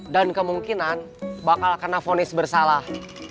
dan kemungkinan bakal kena vonis bersalah